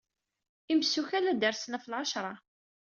Imessukal ad d-rsen ɣef lɛacra.